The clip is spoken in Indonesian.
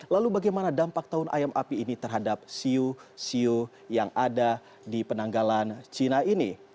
lalu bagaimana dampak tahun ayam api ini terhadap siu siu yang ada di penanggalan cina ini